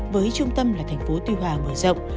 với trung tâm là thành phố tuy hòa mở rộng